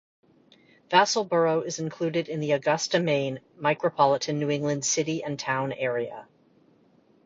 Vassalboro is included in the Augusta, Maine, micropolitan New England City and Town Area.